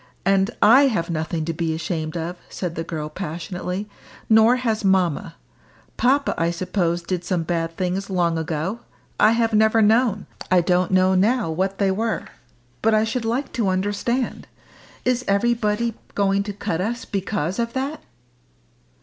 And I have nothing to be ashamed of," said the girl passionately, "nor has mamma. Papa, I suppose, did some bad things long ago. I have never known I don't know now what they were. But I should like to understand. Is everybody going to cut us because of that?"